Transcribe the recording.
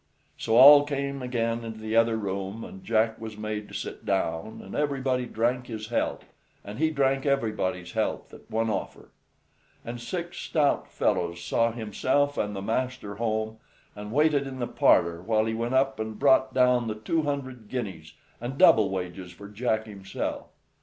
So all came again into the other room, and Jack was made to sit down, and everybody drank his health, and he drank everybody's health at one offer. And six stout fellows saw himself and the master home, and waited in the parlor while he went up and brought down the two hundred guineas, and double wages for Jack himself.